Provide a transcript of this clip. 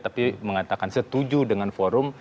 tapi mengatakan setuju dengan forum